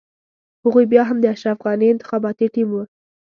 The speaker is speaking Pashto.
هغوی بيا هم د اشرف غني انتخاباتي ټيم.